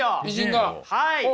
はい。